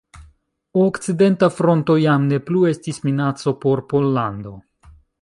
Okcidenta Fronto jam ne plu estis minaco por Pollando.